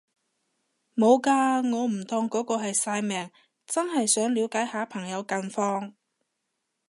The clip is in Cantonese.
無嘅，我唔當嗰啲係曬命，真係想了解下朋友近況